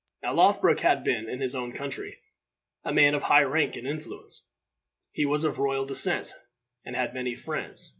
Now Lothbroc had been, in his own country, a man of high rank and influence. He was of royal descent, and had many friends.